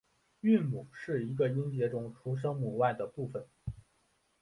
韵母是一个音节中除声母外的部分。